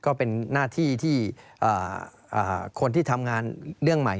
ก็เป็นหน้าที่ที่คนที่ทำงานเรื่องใหม่